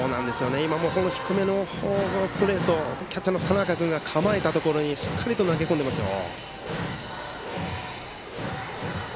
今も低めのストレートキャッチャーの佐仲君が構えたところにしっかりと投げ込んでいますよ。